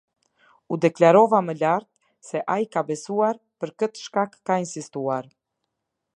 U deklarova më lart, se ai ka besuar, për këtë shkak ka insistuar.